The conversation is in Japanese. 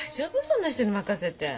そんな人に任せて。